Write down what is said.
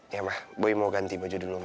ya ma boy mau ganti baju dulu ma